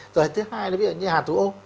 rồi thứ hai là ví dụ như hạt thủ ô